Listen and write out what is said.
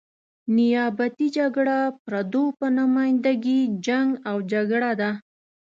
نیابتي جګړه پردو په نماینده ګي جنګ او جګړه ده.